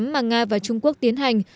mà nga và trung quốc tiến hành